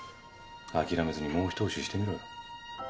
諦めずにもう一押ししてみろよ。